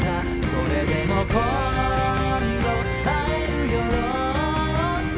それでも今度会えるよ輪舞